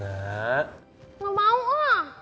gak mau ah